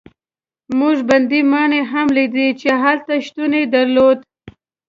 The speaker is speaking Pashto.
موږ بندي ماڼۍ هم لیدې چې هلته شتون یې درلود.